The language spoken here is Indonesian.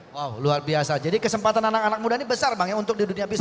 wow luar biasa jadi kesempatan anak anak muda ini besar bang ya untuk di dunia bisnis